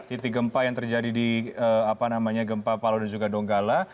titik gempa yang terjadi di gempa palu dan juga donggala